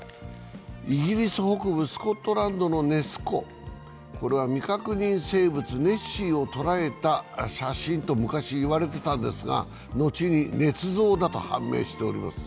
イギリス北部、スコットランドのネス湖、これは未確認生物・ネッシーを捕らえたとされる写真ですが後にねつ造だと判明しております。